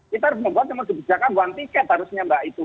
kita membuat yang harus dibicarakan one ticket harusnya mbak itu